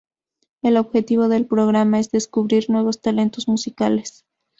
El objetivo del programa es descubrir nuevos talentos musicales.